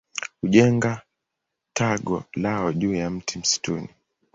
Hujenga tago lao juu ya mti msituni.